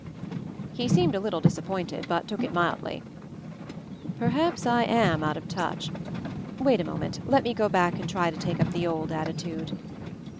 He seemed a little disappointed, but took it mildly. "Perhaps I am a little out of touch. Wait a moment — let me go back and try to take up the old attitude."